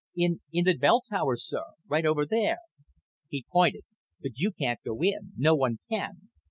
"In in the bell tower, sir. Right over there." He pointed. "But you can't go in. No one can."